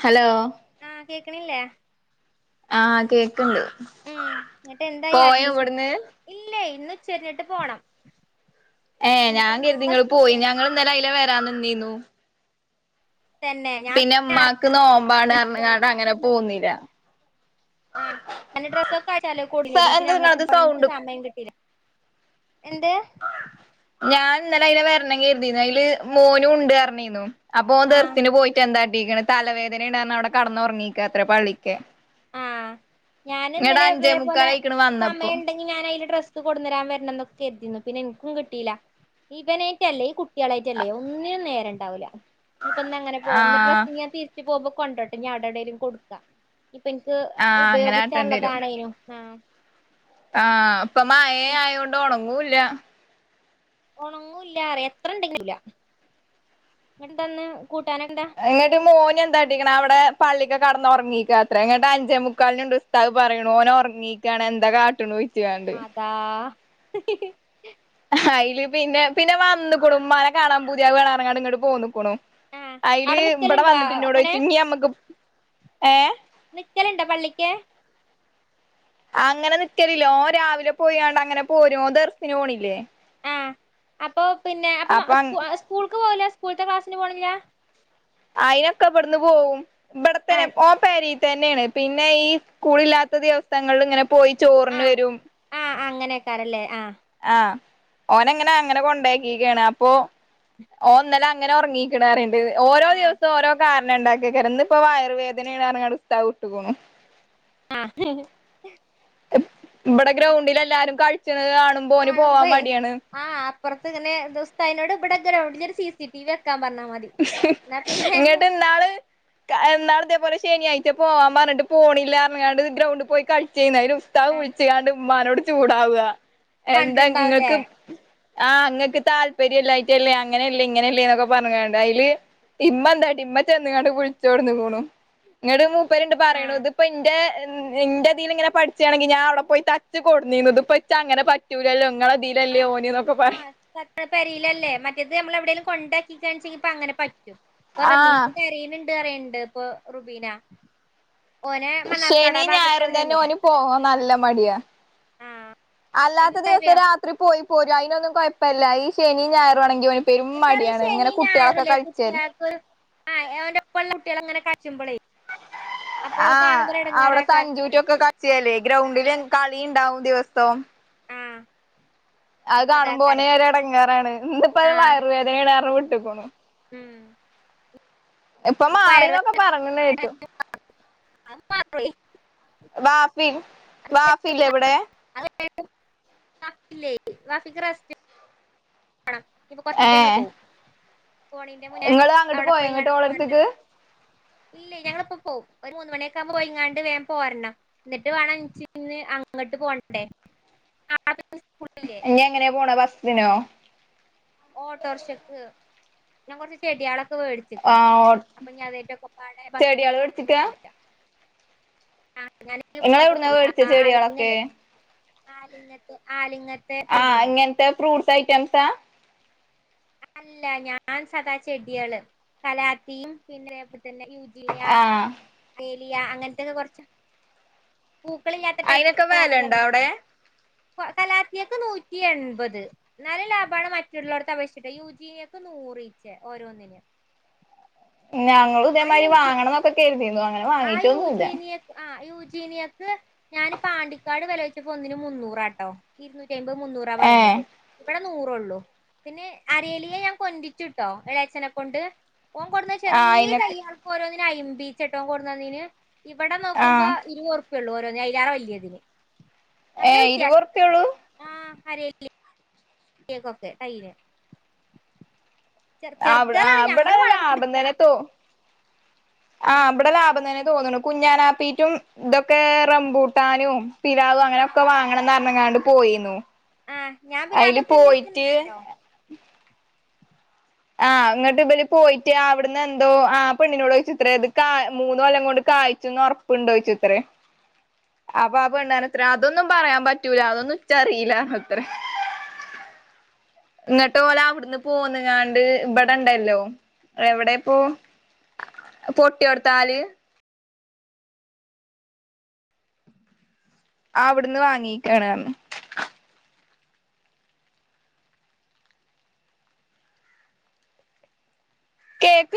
Hello ആഹ് കേക്കണില്ലേ ആഹ് കേക്കണ്ട് ഉം എന്നിട്ട് എന്തായി അഡ്മിഷൻ ഇല്ലേ ഇന്ന് ഴിഞ്ഞിട്ട് പോണം ഏ ഞാൻ കരുതിങ്ങള് നിങ്ങളെ സ്കൂളില്ലേ നിങ്ങള്പോയിന്ന് ഞങ്ങൾ ഇന്ന ലെഅതില വരാന്ന് നിന്നീന്നു തന്നെ ഞാൻ പിന്നെ ഉമ്മാക്ക്ന്ന് നോമ്പാണ് അം അങ്ങനെ പോന്നില്ല ആഹ് പിന്നെ ഡ്രസ്സ ഒക്കെ അയച്ചാലോ സ കുടിോടി പിന്നെ എന്താ അങ്ങട്ട് ഇങ്ങളത് പ സൗണ്ട് സമയം കിട്ടീല്ല എന്റെ ഞാൻ ഇന്നലെ അയിെ വരണം കരുതിരുന്നു അതില് മോനും ഉണ്ട് വരണിു അപ്പൊ ആഹ് തീർത്തിന് പോയിട്ട് എന്തായി തലവേദന ഉണ്ടന്ന് അവി കടന്നുറങ്ങിക്ക അത്ര പള്ളി ആഹ് ഞാൻ ഇങ്ങട്ട് ഇന്നലെ അഞ്ചേ ഇതേപോലെ മുക്കാലായിക്ക്ണ് വന്നപ്പോ സമയ ഉണ്ടെങ്കി ഞാൻ അതില് ഡ്രസ്സ് കൊടുു തരാൻ വരണം എന്നൊക്കെ കരുതിുന്നു പിന്നെ എനിക്കും കിട്ടിയില്ല ഇഈവനായിട്ട അല്ലേ ഈ കുട്ടികളായിട്ടല്ലേ ഒന്നിനും നേര ഉണ്ടാവൂില്ല ഇനിപ്പൊന്ന അങ്ങെ പോക ഇന്റെ്ര ആഹ് ഞൻ തിരിച്ച പോക്പോ കൊണ്ടോട്ടെ ഞാൻവിടെ എവിടെേങ്കലും കൊടുക്കാം ഇ എനിക്ക് ആഹ് അങ്ങനെ ഉപയോഗിച്ചാുള്ളതാണും ആ ആഹ അപ്പൊ മായ ആയത കൊണ്ട്ോണം അങ്ങൂല്ല ഉണങ്ങൂല്ലറ എത്ര ഇണ്ടെങ്കുംല്ല എന്തന്ന് എങ്ങിട്ട് മോന് എന്താ അടിക്കണ അവിടെ പള്ളിക്കൊക്കെ കടന്നുറങ്ങീിക്കുക അത്ര എങ്ങട്ട അഞ്ചേ മുുക്കാലിുണ്ട് ഉസ്താവ് പറയണ ഓനെ ഉറങ്ങീക്കയാണ് എന്താ കാട്ടണു ചോയിച്ച്കാണ്ട് അതാ [unintelligible] അയില് പിന്നെ പിന്നെ വന്നക്കൂടും മല കാണാൻ പുതിയ വേണാറങ്ങാട് ഇങ്ങോട്ട് പോന്നക്കണു ആഹ് അവിടെ അയില് ഇവിടെ നിക്കലുണ്ടോ വന്നിട്ട് ഇന്ന ഇടെ അങ്ങനെ വച്ചു ഇനി നമ്മക്ക് ഏ നിക്കലുണ്ട പള്ളിക്ക് അങ്ങനെ നിക്കലില്ലോ രാവിലെ പോയണ്ട് അങ്ങനെ പോരും ദർശന് പോണില്ലേ ആ അപ്പൊ അം സ്കൂൾത്തെ ക്ലാസ്സിന് പോണമാ അയിനൊക്കെ അവിടന്ന് പോകവും ഇവിടെത്തനെ ആഹ് ഓ പീ തന്നെയാണ് പിന്നെ ഈ സ്കൂളില്ലാത്ത അവസ്ഥങ്ങളിൽ ഇങ്ങനെ പോയി ചോറിന്ന് വരും ക്കറല്ലേ ആ ആഹ ഓനങ്ങനെ അങ്ങനെ കൊണ്ടാക്കിക്കയാണ് അപ്പൊ ഓന്നല അങ്ങനെ ഉറങ്ങിക്കിടാറുണ്ട് ഓരോ ആഹ് ദിവസം ഓരോ കാര ഉണ്ടാക്കി കറന്ന് ഇപ്പ വയറുവേദനങ്ങ അടിസ്ഥതാവ കട്ടുന്നു ആഹ് ഇവിടെ ഗ്രൗണ്ടിൽ എല്ലാരും കഴിച്ച കാണുമ്പോ ന് പോവാൻ മടിയാണ് പുറത്ത് ഇങ്ങെനെ ദിവസ്സ്തഅയ്നോട് ഇവിടക്കെ സി സി ടി വി പറഞ്ഞാ മതി എന്നാ പിന്നെ ഇങ്ങട്ട് ന്നാള്തേപോ ശനിയാഴ്ച പോവാംപർഞ്ഞിട്ട് പോണില്ലാർഞ്ഞാണ്ട് ഗ്രൌണ്ടിൽ പോയി കളി ചെയ്നി ആഹ് വിളിച്ച്കാണ്ട് ഉമ്മാനോട് ചൂടാവ കണ്ടിട്ടുണ്ടാവുല്ലേ എന്താങ്ങക്ക് ആഹ് ങ്ങക്ക് താല്പര്യല്ലായിട്ടല്ലേ അങ്ങനെല്ലേ ഇങ്ങനെല്ലേ ന്നൊക്കെ പർഞ്ഞ്കാണ്ട് അയ്ല് ഇമ്മന്താട്ടി ഇമ്മ ചെന്ന്ങ്ങാണ്ട് വിളിചൊട്ന്ന്ക്ണു ഇങ്ങട്ട് മൂപ്പര്ണ്ട് ആഹ് പറയെണുത്പ്പൊന്റെ ഇന്റെതിലിങ്ങനെ പഠിച്ചാണെങ്കിൽ ഞാനൗടെ പോയി തച്ച് കൊടുന്നീ നു ഇപ്പൊച്ചാ അങ്ങനെ പറ്റൂലല്ലോ നിങ്ങളെ ആ ആ പെരീലല്ലേ മറ്റേത് നമ്മൾ എവിടെലും കൊണ്ട ണെങ്കിപ്പ അങ്ങനെ പറ്റു ഇപ്പ റമീശ ആഹ് കരയ്ണ്ട് ഇക്കറീണ്ട് ഇപ്പൊ റുബീന ഓനെ മണ്ണാർക്കാട് ആ ശനിയും ഭാഗത്ത് ഞായറും തന്നെ അവിടെയല്ലേ ഓന് പോകാൻ നല്ല മടിയാ ആഹ് അല്ലാത്ത ദിവസം അയിനെന്താറിയോ രാ ത്രി പോയി പോരും അയ്നൊന്നും കൊ യ്പ്പല്ല്യഈ ശനിം ഞായറുവാണെങ്കി എന്താറിയൊ ഈ ശനീം ഞായറൂം ല്ലേ കുട്ട്യാൾക്ക് ആ അവന്റൊപ്പ ള്ള കുട്ടികൾ അങ്ങനെ കൾച്ചുമ്പളെ ആ അവിടെ എടങ്ങേറാക്കാരം പറയും സഞ്ജുന്റൊക്കെ കക്ഷിയല്ലേ ഗ്രൗണ്ടില് ആഹ് കളിണ്ടാവും. ദിവസവും ആഹ് അത് അപ്പൊ കാണുമ്പോനെ അതാക്കാരം ഒരെടങ്ങേറാണ് ഇന്ന്പ്പോ അത് ആഹ് വയർവേനേണ് പോണം ഉം ഇപ്പ ഇനിപ്പ മാറിന്നൊക്കെ പറഞ്ഞതേട്ടു അ മാപളീം ബാഫി ബാഫില്ലേവിടെ അല്ല ഫ [unintelligible] ആ ഇപ്പ കൊറച്ചയ് ഞ്ഞിട്ടങ്ങള് പോകും നിങ്ങള് അങ്ങോട്ട് പോയൊ ങ്ങട്ട് പോരണം ഓളടുത്ത്ക്ക് ഇല്ല ഞങ്ങളിപ്പോ പോകും ഒരു മൂന്ന് മണിയൊക്കെകുമ്പ പോയി ങ്ങാണ്ട് വേം പോരണം എന്നിട്ട് വേണം ഇന്ന് അങ്ങട്ട് പോണ്ടേ സ്കൂളില്ലേ ഇനി എങ്ങനെയ പോണത് ബസ്സിനോ ഓട്ടോറിഷക്ക് പിന്നെ കൊർച് ചെട്യ ളൊ മേടിച്ചിക്ക്ണ് ആഹ് ഓ അപ്പൊഞ്ഞതെയ്റ്റ് ഒക്കപ്പാടെ ബസ്സിന് ചെടിയാള് പോകാൻ പറ്റൂല്ല നിങ്ങള എവിടുന്നാ മേടിച്ചേ ചെടികളൊക്കെ ആലിങ്ങന്ന് ആലിങ്ങന്ന് ആഹ ഇങ്ങനത്തെ ഫ്രൂട്ട്സ് ഐറ്റംസാ അല്ല ഞാൻ സദാ ചെടികള് കലാത്തിയും പിന്നെ [unintelligible] ആഹ് യാ അങ്ങനത്തെൊക്കെ കുറച്ച അയിനൊക്കെ വേലുണ്ടോ അവിടെ കലാർത്തിക്ക് നൂറ്റി എൺപത് നല്ല ലാഭമാണ് മറ്റുള്ളള്ളോടത്തെ അപേ ചട്ട യുജിൊക്കെ നൂറ്ച്ചേ ഓരോന്നിനും ഞങ്ങൾ ഇതേമാതിരി വാങ്ങണംമൊക്കെ കരുതിനു അങ്ങനെ വാങ്ങീട്ടൊന്നും ഇല്ല യക്ക് ഞാന് പാണ്ടിക്കാട് വിലവെച്ചപ്പോ ഒന്നിന് മുന്നൂറാട്ടോ ഇരുന്നൂറ്റി മുന്നൂറ ഏഹ് പറയണത് ഇവിടെ നൂറള്ളൂ പിന്നെ അരേലിയെ ഞാൻ കൊഞ്ചിച്ചു ച്ചുട്ടോ എളാച്ച്ചനെ കൊണ്ട് ഓൻ കൊടുന്നാ ആഹ് ചെറിയ അയിനൊക്കെ ചെയ്യാർ ഇപ്പോഒരോന്നിന് അയ്ബീച്ചേട്ടോ ഒൻ കൊണ്ടെനീന് ഇവിടെ നോക്കുമ്പോ ആഹ് ഇരുവത് ഉറപ്പേ ഉള്ളൂ ഓരോ അയിലാറെ വലിയതിന് നല്ല ഏഹ് വ്യത്യാസം ഇണ്ട് ഇവിടെ ഇരുപതുറുപ്പ്യള്ളൂ ആ അരെയില് കേക്കൊക്കെ തൈയ്ലേ ആ ആ ഇബടെ ലാഭം തന്നെത്തോ ആ ഇവിടെ ലാഭം തനെ തോന്ണ് കുഞ്ഞാനാപ്പീറ്റും ഇതൊക്കെ റംമ്പൂട്ടാനും പിലാവ് അങ്ങനൊക്കെ വാങ്ങണം ന്നങ്ങാണ്ട് പോയിന്നു ആഹ്‌ ഞാൻ പിന്നെ അയില് അതൊക്കെ ന്റെ ത്തി പോയിട്ട് ണ്ടല്ലോ ആഹ് ഇങ്ങട്ട് ഇവല് പോയിട്ട് അവിടുന്ന് എന്തോ ആ പെണ്ണിനോട് ചോദിച്ചുത്രേ അത് കാ മൂന്ന കൊല്ലം കൊണ്ട് കായ്ച്ചുന്ന് ഒറപ്പോണ്ടോ ചോയിച്ചുത്രേ അപ്പൊ ആ പെണ്ണാൻ ഇത്ര അതൊന്നും പറയാൻ പറ്റൂല അതൊന്നും ഇച്ചറിയില്ല ഇത്രെ എന്നിട്ട് പോലെ അവിടുന്ന് പോന്ന് ഞാണ്ട് ഇവിടെണ്ടല്ലോ എവിടെപ്പോ പൊട്ടിയൊ ടുത്താല് ആ അവിടുന്ന് വാങ്ങിക്കാണ് കേക്ക്